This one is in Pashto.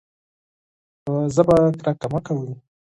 په ژبه تعصب مه کوئ.